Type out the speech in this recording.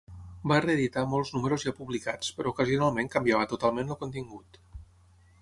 Va reeditar molts números ja publicats, però ocasionalment canviava totalment el contingut.